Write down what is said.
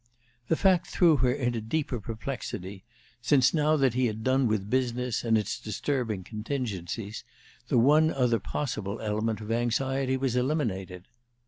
The fact threw her into deeper perplexity, since, now that he had done with "business" and its disturbing contingencies, the one other possible element of anxiety was eliminated.